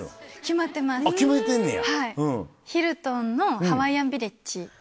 決まってんねや。